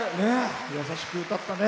優しく歌ったね。